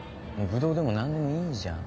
ぶどうでも何でもいいじゃん。